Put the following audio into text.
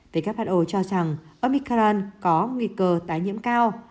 who cho rằng omikaran có nguy cơ tái nhiễm cao